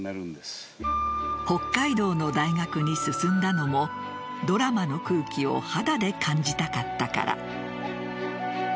北海道の大学に進んだのもドラマの空気を肌で感じたかったから。